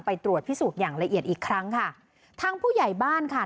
ไปตรวจพิสูจน์อย่างละเอียดอีกครั้งค่ะทางผู้ใหญ่บ้านค่ะ